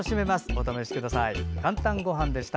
お試しください。